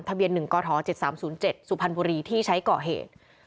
ทะเบียน๑กท๗๓๐๗สุพรรณบุรีที่ใช้ก่อเหตุ